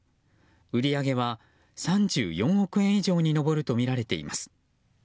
売り上げは、３４億円以上に上るとみられています。